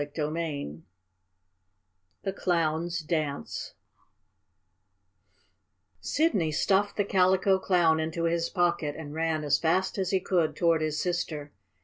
CHAPTER III THE CLOWN'S DANCE Sidney stuffed the Calico Clown into his pocket and ran as fast as he could toward his sister.